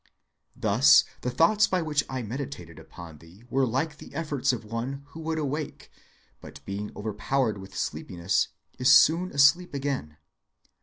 "Thus the thoughts by which I meditated upon thee were like the efforts of one who would awake, but being overpowered with sleepiness is soon asleep again.